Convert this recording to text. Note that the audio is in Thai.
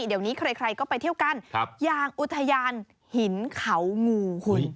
เดี๋ยวนี้ใครก็ไปเที่ยวกันอย่างอุทยานหินเขางูคุณ